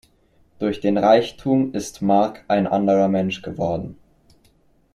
Durch den Reichtum ist Mark ein anderer Mensch geworden.